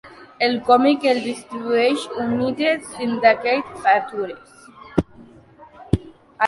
El còmic el distribueix United Syndicate Features.